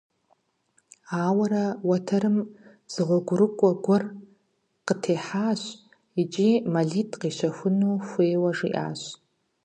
Ауэрэ уэтэрым зы гъуэгурыкӀуэ гуэр къытехьащ икӀи мэлитӀ къищэхуну хуейуэ жиӀащ.